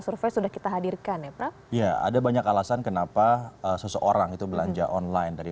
survei sudah kita hadirkan ya prab ya ada banyak alasan kenapa seseorang itu belanja online dari